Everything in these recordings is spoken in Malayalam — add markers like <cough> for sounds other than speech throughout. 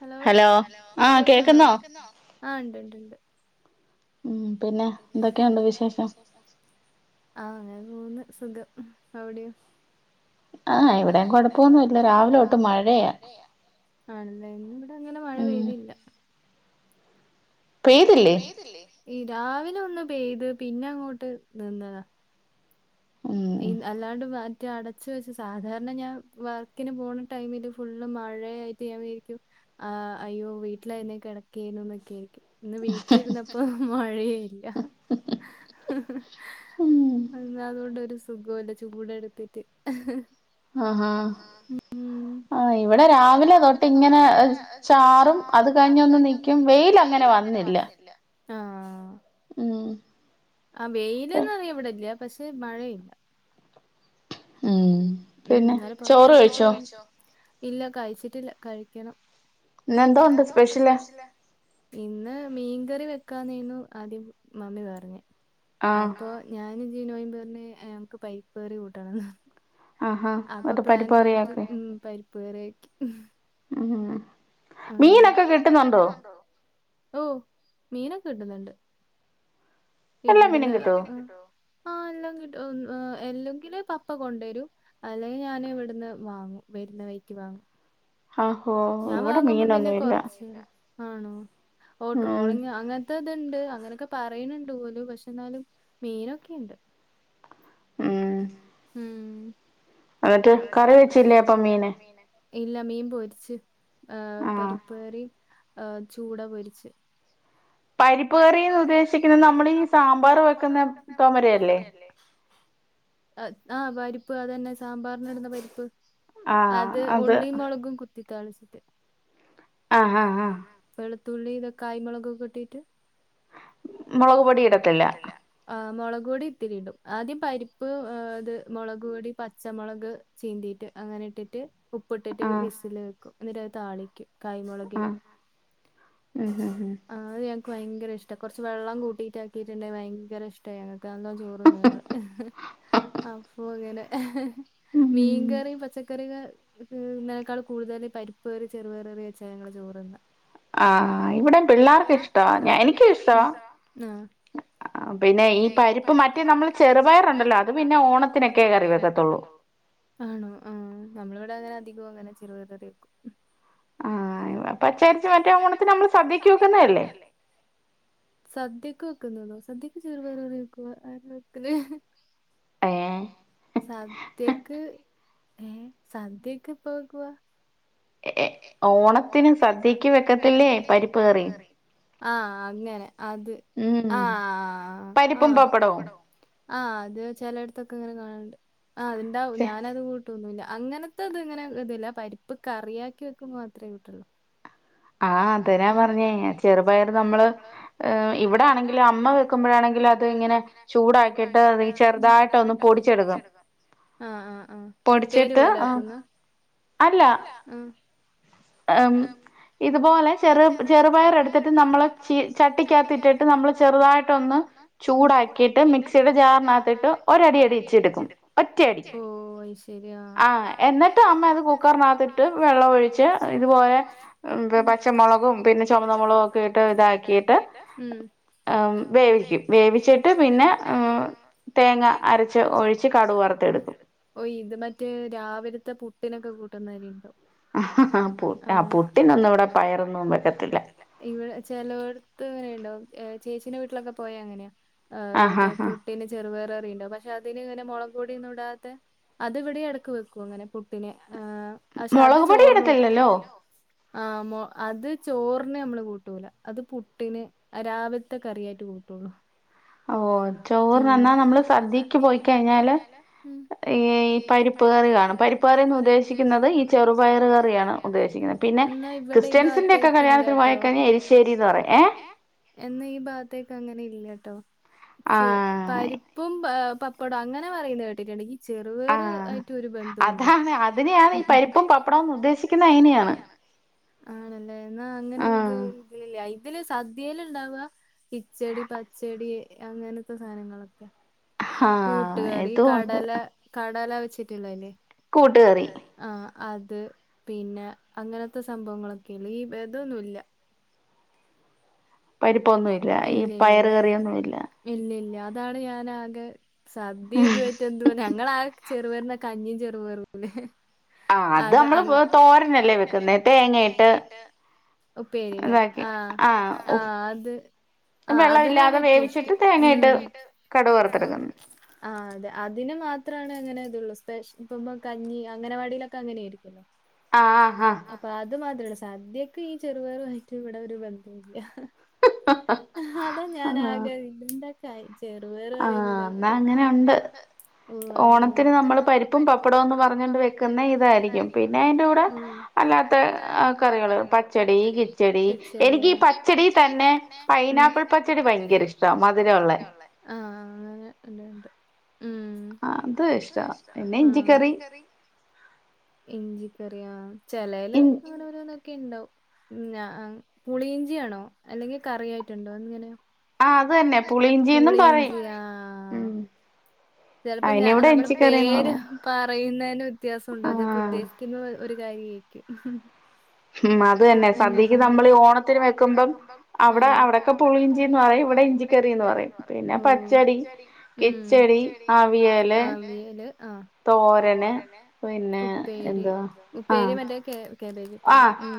ഹലോ ഹലോ ആഹ് ഉണ്ട്ണ്ട് ഉം പിന്നെ എന്തൊക്കെയുണ്ട് വിശേഷം ഓന്ന് സുഖം അവിടെയോ ആ ഇവിടെ കുഴപ്പൊന്നുംല്ല രാവിലെതൊട്ട് മഴയാ <unintelligible> പെയ്തില്ലേ ഈ രാവിലെ ഒന്ന് പെയ്ത് പിന്നെ അങ്ങോട്ട് നിന്നതാ അല്ലാണ്ട് മറ്റ അടച്ച് വെച്ച് സാധാരണ ഞാൻ വർക്കിന് പോണ ടൈമില് ഫുള്ള് മഴയായിട്ട് ഞാൻ വിയരിക്കും ആ അയ്യോ വീട്ടിലായിര്ന്നെ കെടക്കേനുന്നെക്കെയ്ക്കു ഇന്ന് വീട്ടിരുന്നപ്പോ മഴെ ഇല്ല എന്ന അതുകൊണ്ട് സുഖമല്ല ചൂടെടുത്തിട്ട് ആഹ ഹാ ആ ഇവിടെ രാവിലെ തൊട്ട് ഇങ്ങനെ ചാറും അത് കഴിഞ്ഞൊന്ന് നിക്കും വെയിലങ്ങനെ വന്നില്ല ആഹ ആ വെയിലൊന്നും അധികം ഇവിടെ ഇല്ല പക്ഷെ മഴ ഇല്ല ചോറ് കഴിച്ചോ ഇല്ല കഴിച്ചിട്ടില്ല കഴിക്കണം ഇന്ന് എന്തോ ഉണ്ട് സ്പെഷ്യല് ഇന്ന് മീൻ കറി വെക്കാന്നെനു ആദ്യം മമ്മി പറഞ്ഞി അപ്പൊ ഞാൻ <inaudible> പറഞ്ഞു ഞങ്ങക്ക് പയ്പ്പ് കറി കൂട്ടണം അപ്പൊ പ്ലാൻ മാറ്റി ഉം പരിപ്പ് കറി ആക്കി ആ മീനൊക്കെ കെട്ടുന്നുണ്ടോ ഓ മീനൊക്കെ കിട്ടുന്നുണ്ട് ഇവിടന്ന്ല്ല ആ എല്ലാം കിട്ടും ആ എല്ലെങ്കില് പപ്പ കൊണ്ടുവരും അല്ലെങ്കിൽ ഞാന് ഇവിടുന്ന് വാങ്ങും വരുന്ന വൈക്ക് വാങ്ങും ഞാൻ വാങ്ങുമ്പോ പിന്നെ കൊറച്ച് ആണോ ഓ ട്രോളിങ് അങ്ങനത്തെ ഇതുണ്ട് അങ്ങനൊക്കെ പറയണണ്ട് പോലു പക്ഷെ എന്നാലും മീനൊക്കെയുണ്ട് ആഹ് ഉം എന്നിട്ട് കറി വെച്ചില്ലേ അപ്പം മീന് ഇല്ല മീൻ പൊര്ച്ച് ആ പരിപ്പ്കറി ആ ചൂട പൊരിച്ച് പരിപ്പ് കറിന്ന് ഉദ്ദേശിക്കുന്നത് നമ്മൾ ഈ സാമ്പാർ വെക്കുന്ന തൊമരയല്ലേ ആ പരിപ്പ് അതന്നെ സാമ്പാർ ന്ന് ഇടുന്ന പരിപ്പ് അത് ഉള്ളി മൊളകും കു ത്തി താളിച്ചിത് ആ ഹാ ഹാ വെളു തുള്ളി ഇതോക്കായിമൊളകും കൂട്ടീട്ട് മുളക്പൊടി ഇടത്തില്ല മുളക് പൊടി ഇത്തിരി ഇടും ആദ്യം പരിപ്പ് ഇത് മുളക് പൊടി പച്ചമുളക് ക് ചീന്തിട്ട് അങ്ങനെ ഇട്ടിട്ട് ഉപ്പിട്ട്ട്ട് വിസില് എന്നിട്ട് അത് താളിക്കും കായ് മോളകിൽ ഭയങ്കര ഇഷ്ട്ടാ കൊർച്ച് <unintelligible> <unintelligible> ആ ഇവിടെ പിള്ളേർക്ക് ഇഷ്ട്ടമാ ഞാ എനിക്കും ഇഷ്ട്ടമാ ആണോ ആ നമ്മളിവിടെ അങ്ങനെ അധികം അങ്ങനെ ചെറ്പയർ കറി വെക്കും ആ പച്ചരിച്ച് മറ്റേ ഓണത്തിന് നമ്മള് സദ്യക്ക് വെക്കുന്നല്ലേ സദ്യക്ക് <unintelligible> സദ്യക്ക് ചെറുപയർകറി വെക്കോ ആരാ വെക്കല് ഏ സ ത്തേക്ക് ഏ സദ്യക്ക് പ്പ വെക്കുവാ ഏ ഓണത്തിന് സദ്യക്ക് വെക്കത്തില്ലേ പരിപ്പ് കറി ആ അങ്ങനെ അത് ആ ആ ആ പരിപ്പും പപ്പടവും അത് അത്ണ്ടാവും ഞാനത് കൂട്ട കൂട്ടുവൊന്നുമില്ല അങ്ങനത്തെ ഇത് ഇങ്ങനെ ഇതല്ല പരിപ്പ് കറിയാ ക്കി വെക്കുമ്പോൾ മാത്രമേ കൂട്ടുള്ളൂ ആ അത് തന്നെയാ പറഞ്ഞേ ചെറുപയർ നമ്മള് ഇവിടെ ആണെങ്കിലും അമ്മ വെക്കുമ്പോഴാണെങ്കും അത് ഇങ്ങനെ ചൂടാക്കിട്ട് അത് ചെറുതായിട്ടൊന്ന്‌ പൊടിച്ചെടുക്കും ആ ആ ആ ഉപ്പേരി പോലെയാക്കുന്നാ അല്ല ഉം ഇത് ഇതുപോലെ ചെറു ചെറുപയർ എടുത്തിട്ട് നമ്മള് ച ചട്ടിക്കകത്തിട്ടിട്ട് നമ്മള് ചെറുതായിട്ടൊന്ന് ചൂടാക്കിട്ട് മിക്സിയുടെ ജാറിനകത്തിട്ട് ഒരടി അടിച്ചെടുക്കും ഒറ്റയടി ഓ അത് ശരി ആ എന്നിട്ട് അമ്മ അത് കുക്കറിനകത്തിട്ട് വെള്ളം ഒ ഴിച്ച് ഇത് പോലെ പച്ചമുളകും പിന്നെ ചുമന്ന മുളകും ഒക്കെ ഇട്ട് ഇതാക്കിട്ട് ഉം വേവിക്കും വേവിച്ചിട്ട് പിന്നെ തേങ്ങ അരച്ച് ഒഴിച്ച് കടുക് വറുത്തെടുക്കും ഓ ഇത് മറ്റേ രാവിലത്തെ പു- ട്ടിനൊക്കെ കൂട്ടുന്ന മാതിരി ഉണ്ടാവും ആ പുട്ട് ആ പുട്ടി- പുട്ടിനൊന്നും ഇവിടെ പയറൊന്നും വക്കത്തില്ല ഇവിടെ ചെലോടത്ത് ഇങ്ങനെയുണ്ടാവും ചേച്ചീന്റെ വീട്ടിലൊക്കെ പോയാ അങ്ങനെയാ ആ മറ്റെ പുട്ടിന് ചെറുപയറ് കറിയുണ്ടാവും പക്ഷെ അതിന് ഇങ്ങനെ മുളക് പൊടിയൊന്നും ഇടാതെ അത് ഇവിടെയും ഇടക്ക് വെക്കും അങ്ങനെ പുട്ടിന് മുളക്പൊടി ഇടത്തില്ലല്ലോ ആ അത് ചോറിന് നമ്മള് കൂട്ടൂല അത് പുട്ടിന് രാവിലത്തെ കറിയായിട്ട് കൂട്ടൂള്ളു ഓ ഉം ചോറിന് എന്നാൽ നമ്മള് സദ്യക്ക് പോയിക്കഴിഞ്ഞാല് ഉം ഈ പരിപ്പ് കറി കാണും, പരിപ്പ് കറിയെന്നു ഉദ്ദേശിക്കുന്നത് ഈ ചെറുപയറുകറിയാണ് ഉദ്ദേശിക്കുന്നത് പിന്നെ ഇവിടെ ഈ ഭാഗത്തേക്കില്ല കേട്ടോ എശ്ശേരിയെന്ന് പറയും ഏഹ് എന്നാ ഈ ഭാഗത്തേക്ക് അങ്ങനെയല്ല. ട്ടോ ചെ ആഹ് പരിപ്പും പ പപ്പടം അങ്ങനെ പറയുന്നത് കേട്ടിട്ടുണ്ട്. ചെറുപയർ ആയിട്ട് ഒരു ബന്ധവുമില്ല, അതിനെയാണ് ഈ പരിപ്പും പപ്പടെന്നും ഉദ്ദേശിക്കുന്ന അയിനെയാണ് ആണല്ലേ എന്ന അങ്ങനൊരു ഇല്ല. ഇതില് സദ്യയില് ഇണ്ടാവുക കിച്ചടി പച്ചടി. അങ്ങനത്തെ സാധനങ്ങളൊക്കെയാ. കൂട്ടുകറി കടല കടല വെ വെച്ചിട്ടുള്ള ഇല്ലേ. കൂട്ടുകറി ആഹ്. അത് പിന്നെ അങ്ങനത്തെ സംഭവങ്ങളൊക്കെയില്ലേ ഈ ഇതൊന്നുമില്ല. പരിപ്പ് ഒന്നുമില്ല ഇല്ല ഇല്ല ഇല്ല പയറ് കറിയോ ഇല്ലല്ല അത്. അതാണ് ഞാൻ ആകെ. സദ്യയും ഇതുമായിട്ട് എന്തുവാ ഞങ്ങള് ആ. ചെറുപയറിന്റെ കഞ്ഞിയും ചെറുപയറുമില്ലേ. അത് ആണ് അത് നമ്മള് തോരൻ അല്ലേ വയ്ക്കുന്ന തേങ്ങയിട്ട് ഉപ്പേരില്ലേ ആഹ് ആഹ് അത്. അത് ആഹ് അതിനാണ് എനിക്കിഷ്ട്ടം വേവിച്ചെടുത്തിട്ട് തേങ്ങിയിട്ട് ഉം കടുക് വറുത്തെടുക്കുന്നു ആഹ് അത് അതിനു മാത്രമാണ്. അങ്ങനെതൊള്ളൂ സ്പെഷ് ഇപ്പ മ്മ കഞ്ഞി അങ്ങനവാടിയിലൊക്കെ അങ്ങനെയിര്ക്കൊല്ലോ ആ, അപ്പ അത് മാതിരിള്ളൂ സദ്യെക്ക് ഈ ചെറുപയറു ആയിട്ട് ഇവിടെ ഒരു ബന്ധുല്ല അതാ ഞാൻ <unintelligible> <unintelligible> ചെറുപയറ് പറയുന്ന ടൈപ്പേ, ഓ ആ, ആ, കിച്ചടി ഉം ആഹ് അങ്ങനെ ഇവിടെയുണ്ട് ആ അത് ഇഷ്ടാ പിന്നെ ഇഞ്ചിക്കറി ശറിയാ ചെലയ്ല് അങ്ങനോരോന്ന് ന്ന പുളിയിഞ്ചിയാണോ? അല്ലെങ്കി കറിയായിട്ടുണ്ടോ എങ്ങനെയാ? പുളിയിഞ്ചി ആ ചെൽപ്പം ഞ നമ്മള് പേര് പറയുന്നേന് വ്യത്യാസം ഉണ്ടാകും ചെൽപ്പോ ഉദ്ദേസിക്കുന്നെ ഒരു രാഗി വയ്ക്കും ഉം ഉം ഉം ഉം അവിയല് അ ഉപ്പേരി ഉപ്പേരി മറ്റേ കേ കേബേജുപ്പേരി ആ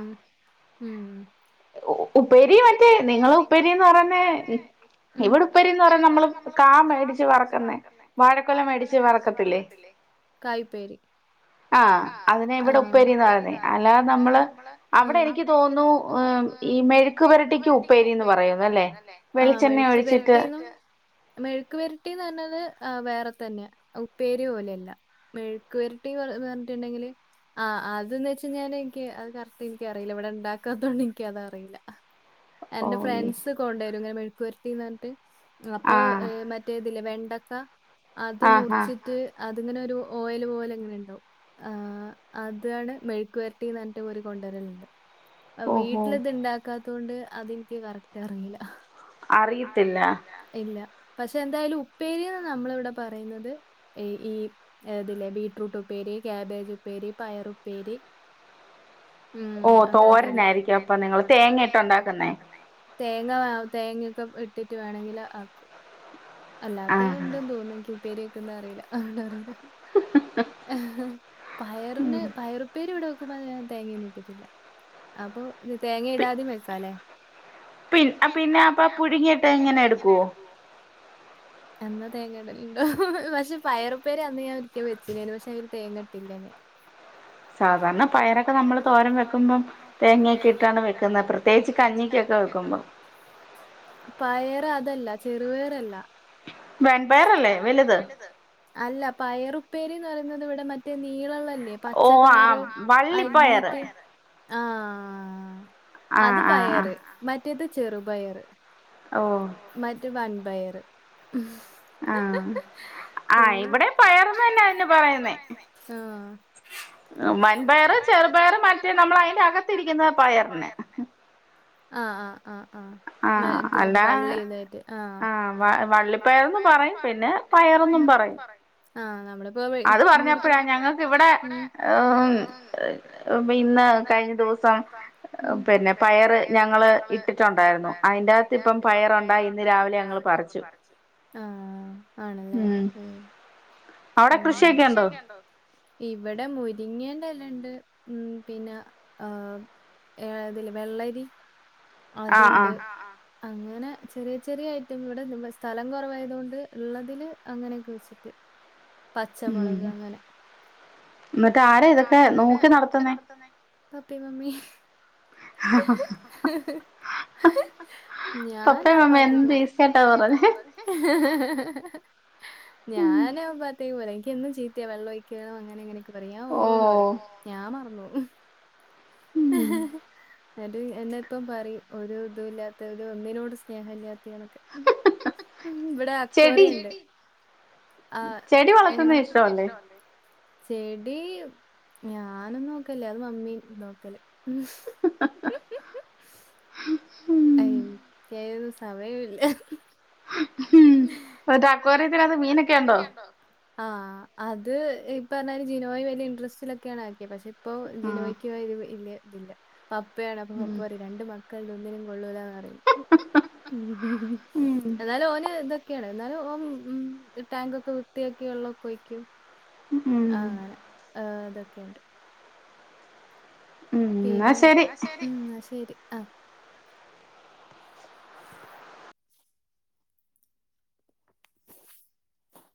ഉം ഉം കായുപ്പേരി ആ ആ ഈ മെഴുക്കുപൊരട്ടിക്ക് ഉപ്പേരീന്ന് പറയും ന്നല്ലേ വെളിച്ചെണ്ണയൊഴിച്ചിട്ട് മെഴുക്കുപെരട്ടിന്ന് പറഞ്ഞത് ആ വേറെതന്നെയാ ഉപ്പേരി പോലെയല്ല മെഴുക്ക്പെരട്ടി എന്ന് പറഞ്ഞിട്ടുണ്ടെങ്കില് ആ അതെന്ന് വെച്ച്ഞ്ഞാല് ക്ക് അത് കറക്റ്റ് എനിക്കറിയില്ല ഇവിടുണ്ടാക്കാത്തോണ്ട് എനിക്ക് അതറിയില്ല എന്റെ ഫ്രണ്ട്സ് കൊണ്ടൊ ഇതെങ്ങനെ മെഴുക്കുപൊരട്ടീന്ന് ഞ്ഞിട്ട് അപ്പൊ ഏ മറ്റേ ല്ലെ വെണ്ടക്ക അത് മുറിച്ചിട്ട് അത്ങ്ങനൊരു ഓയല് പോലെ ഇങ്ങനെ ഇണ്ടാവും ആഹ് അതാണ് മെഴുക്കുപൊ ട്ടിന്ന് പറഞ്ഞിട്ട് ഒരു കൊണ്ട് വരലൊണ്ട് അവ് വീട്ടിലിത് ഇണ്ടാക്കാ തോണ്ട് അതെനിക്ക്‌ കറക്റ്റ് അറീല അറിയത്തില്ലാ പഷെ എന്തായാലും ഉപ്പേരീന്ന് നമ്മളിവിടെ പറയുന്നത് ഈ ഈ ഇതില്ലെ ബീട്രൂട്ട് ഉപ്പേരി, കാബേജ് ഉപ്പേരി പയറുപ്പേരി ഉം അങ്ങനത്തല്ലെ തേങ്ങ വാ തേങ്ങൊക്കെ ഇട്ടിട്ട് വേണങ്കില് ആക്കും അല്ലാത്ത ഇണ്ടെന്ന് തോന്ന്ന്ന് ഇൻക്യും ഇപ്പേര്യക്ക്ന്നെ അറീല അ ഓണ്ടറീല. പയറിന് പയറുപ്പേരി ഇവടെ വെ ക്കുമ്പ ഞാൻ തേങ്ങൊന്നും ഇട്ടിട്ടില്ല, അപ്പൊ തേങ്ങ ഇടാതിം വെക്കാലേ. പിന് പിന്നെ അപ്പൊ പുഴുങ്ങിയിട്ട് എങ്ങനെ എടുക്കുവോ എന്നാ തേങ്ങടല്ണ്ടോ? പഷെ പയറുപ്പേരി അന്ന് ഞാൻ ഒരിക്കെ വെച്ചിനേനു. പക്ഷെ അയില് തേങ്ങട്ടില്ല ഞാൻ. സാധാരണ പയറൊക്കെ നമ്മള് തോരം വെക്കുമ്പം. തേങ്ങെക്കെ ഇട്ടാണ് വെക്ക്ന്നെ. പ്രത്യേകിച് കഞ്ഞിക്കൊക്കെ വെക്കുമ്പം. പയറ് അതല്ല. ചെറുവയറല്ല വെൺപയറല്ലേ വല്ത് അല്ല പയറുപ്പേരീന്ന് പറയ്ന്നത് ഇവിടെ മറ്റേ നീളള്ള ല്യേ പച്ചക്കളറ് വള്ളിപ്പയറ് ആഹ് അത് പയറ് മറ്റേത് ചെറുപയറ് മറ്റേ വൻ പയറ് ആഹ് ആഹ് ഇവ്ടേം പയറെന്ന് തന്നെയാ അതിന് പറയ്ന്നേ. ആ ആഹ് ആഹ് ആഹ് അല്ലാ ആഹ് വ വള്ളിപ്പയറെന്നും പറയും പിന്നെ പയറെന്നും പറയും ആഹ് നമ്മള് <unintelligible> ഉം ഇന്ന് കഴിഞ്ഞ ദിവസം പിന്നെ പയറ് ഞങ്ങള് ഇട്ടിട്ടൊണ്ടായിരുന്നു. അതിന്റെകത്ത് ഇപ്പം പയറൊണ്ടായി ഇന്ന് രാവിലെ ഞങ്ങള് പറിച്ചു. ആഹ് ആണല്ലേ ഉം ആഹ് ഇവിടെ മുരിങ്ങേന്റെ ക്കല്ലണ്ട് ഉം പിന്നെ ആ ഏ ഇതില്ലെ വെള്ളരി അതുണ്ട് അ അ അങ്ങനെ ചെറിയ ചെറിയ ഐറ്റം ഇവിടെ നിമ്മ സ്ഥലം കുറവായതു കൊണ്ട് ഉള്ളതില് അങ്ങനെയൊക്കെ വെച്ചിട്ട് പച്ചമുളക് അങ്ങനെ എന്നിട്ടാരാ ഇതൊക്കെ നോക്കി നടതുന്നെ പപ്പേം മമ്മീം ഞാൻ ആ ബാകത്തോട്ടെ <unintelligible> ഞാനപ്പത്തേക്ക് പോയില്ല എനക്ക് എന്നും ചീത്തയാ വെള്ളം ഒഴിക്കളും അങ്ങനെങ്ങനെ ഞാൻ ഓന്ന് പറയും ഞാൻ മറന്നപോകും ന്നട്ട് എന്ന ഇപ്പം പറയും ഒരു ഇത ഇല്ലാത്ത ഒരു ഒന്നിനോട് സ്നേഹ ഇല്ലാത്തണൊക്കെ ഇവിടെ ആക്വറിയം ഇണ്ട് ആ ചെടി വളർത്തുന്ന ഇഷ്ടമല്ലേ ചെടി ഞാനുംഒന്നും നോക്കല്ലേ അത് മമ്മീ നോക്കും എനക്ക്അയ്നൊന്നും സമയമില്ല ആക്വറിതിന്നത് മീനൊക്കൊണ്ടോ ആഹ അത് ഇപ്പ പറഞ്ഞാല് ജിനോയ് വലിയ ഇൻട്രസ്റ്റിലൊക്കെയാണ് ആക്കിയ പക്ഷെ ഇപ്പൊ ജിനോയ്ക്ക് ഇത് ഇല്ല ഇതില്ല പപ്പയാണ് അപ്പൊ പപ്പ പറ രണ്ട മക്കളണ്ട് ഒന്നിനും കൊള്ളൂലന്ന് പറയും. എന്നാലും ഓന് ഇതൊക്കെയാണ് എന്നാലും ഓ ഉ ടാങ്ക് ഒക്കെ വൃത്തിയാക്കി വെള്ളമൊക്കെ ഒഴക്കും അങ്ങനെ ഇതൊക്കെയുണ്ട് പിന്നെ എന്നാ ശരി ആഹ